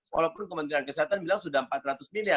walaupun kementerian kesehatan bilang sudah empat ratus miliar